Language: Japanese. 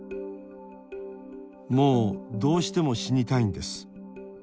「もうどうしても死にたいんです」。